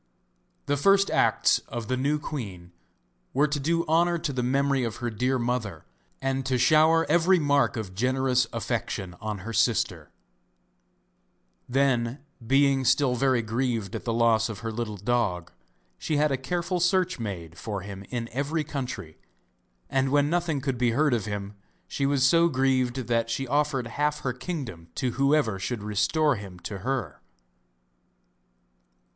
The first acts of the new queen were to do honour to the memory of her dear mother and to shower every mark of generous affection on her sister. Then, being still very grieved at the loss of her little dog, she had a careful search made for him in every country, and when nothing could be heard of him she was so grieved that she offered half her kingdom to whoever should restore him to her.